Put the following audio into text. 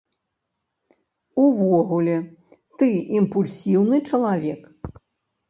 Увогуле, ты імпульсіўны чалавек?